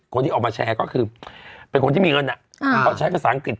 เขาเป็นคนที่มีเงินใช้ภาษาอังกฤษ